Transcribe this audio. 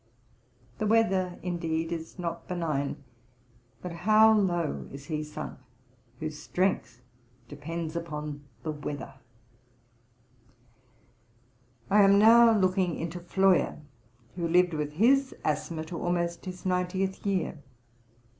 The weather indeed is not benign; but how low is he sunk whose strength depends upon the weather! I am now looking into Floyer who lived with his asthma to almost his ninetieth year.